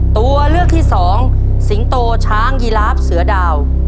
ตัวเลือกที่สองสิงโตช้างยีลาฟเสือดาว